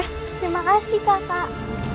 terima kasih kakak